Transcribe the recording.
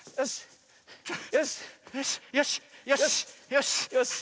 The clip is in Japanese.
よしよし。